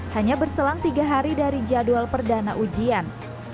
hanya berselang tiga hari dari jadwal perdana ujian